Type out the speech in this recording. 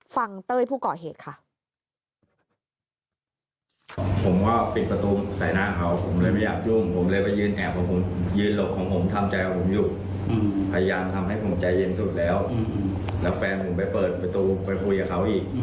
เต้ยผู้ก่อเหตุค่ะ